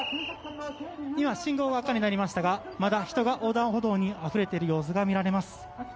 今、信号は赤になりましたがまだ人が横断歩道にあふれている様子が見られます。